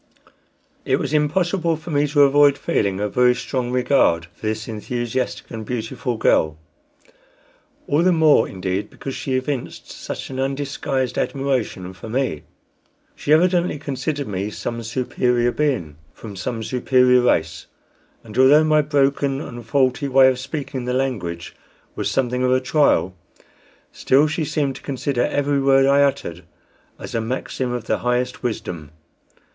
It was impossible for me to avoid feeling a very strong regard for this enthusiastic and beautiful girl; all the more, indeed, because she evinced such an undisguised admiration for me. She evidently considered me some superior being, from some superior race; and although my broken and faulty way of speaking the language was something of a trial, still she seemed to consider every word I uttered as a maxim of the highest wisdom.